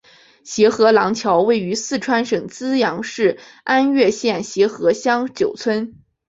协和廊桥位于四川省资阳市安岳县协和乡九村。